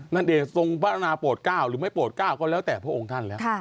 นั่นเองทรงพระราณาโปรดเกล้าหรือไม่โปรดเกล้าก็แล้วแต่พระองค์ท่านแล้ว